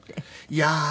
いやー